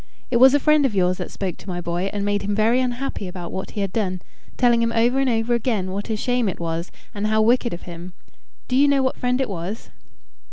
It was a friend of yours that spoke to my boy and made him very unhappy about what he had done, telling him over and over again what a shame it was, and how wicked of him. Do you know what friend it was?"